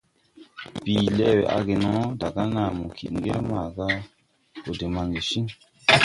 Bìi lɛʼ wɛ age no, daga nàa kid ŋgel maaga gɔ de maŋge ciŋ.